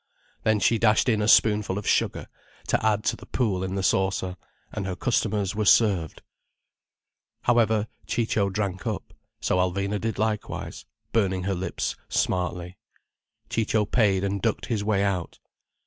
Then she dashed in a spoonful of sugar, to add to the pool in the saucer, and her customers were served. However, Ciccio drank up, so Alvina did likewise, burning her lips smartly. Ciccio paid and ducked his way out.